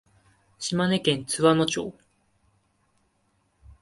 島根県津和野町